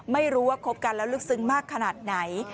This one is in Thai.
ไม่รู้ว่าคบกันแล้วลึกซึ้งมากขนาดไหน